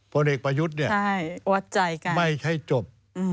พลเอกประยุทธ์เนี่ยไม่ใช่จบ